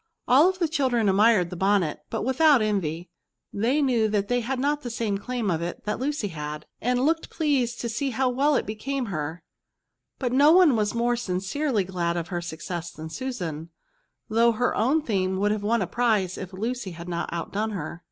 All the children admired the bonnet, but without envy ; they knew they had not the same claim to it that Lucy had, and looked pleased to see how weU it became her ; but no one was more sincerely glad of her success than Susan, though her own theme would have won the prize if Lucy's had not outdone her.